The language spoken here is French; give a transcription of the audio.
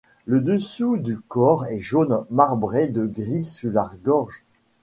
Le dessous du corps est jaune, marbré de gris sur la gorge.